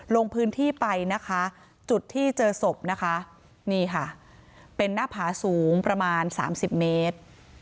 ลงพื้นที่ไปนะคะจุดที่เจอศพนะคะนี่ค่ะเป็นหน้าผาสูงประมาณ๓๐เมตร